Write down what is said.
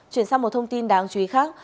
chuyển sang một thông tin đáng chú ý khác